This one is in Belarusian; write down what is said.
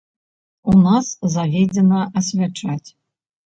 У нас заведзена асвячаць.